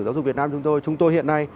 giáo dục việt nam chúng tôi chúng tôi hiện nay